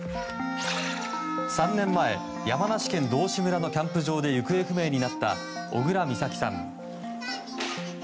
３年前、山梨県道志村のキャンプ場で行方不明になった小倉美咲さん。